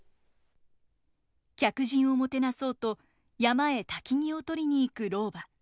客人をもてなそうと山へ薪を取りに行く老婆。